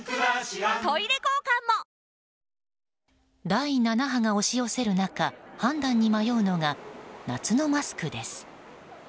第７波が押し寄せる中判断に悩むのが夏のマスクです。